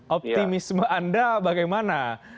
optimisme anda bagaimana